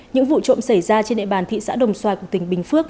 những vụ trộm xảy ra trên địa bàn thị xã đồng xoài của tỉnh bình phước